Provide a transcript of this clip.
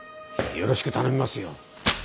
よろしく頼みますよ。